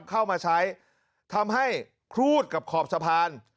เข้ามาใช้ทำให้ครูดกับขอบสะพาน